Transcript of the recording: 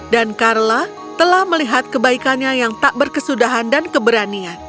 dan carla telah melihat kebaikannya yang tak berkesudahan dan keberanian